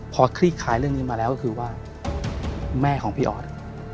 พอคลี่คลายเรื่องนี้มาแล้วก็คือว่าแม่ของพี่ออส